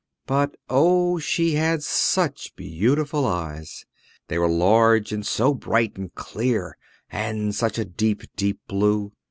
But O, she had such beautiful eyes! They were large, and so bright and clear, and such a deep, deep blue!